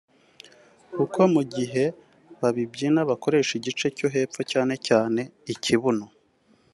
kuko mu gihe babibyina bakoresha igice cyo hepfo cyane cyane ikibuno